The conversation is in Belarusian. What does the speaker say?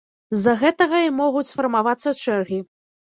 З-за гэтага і могуць сфармавацца чэргі.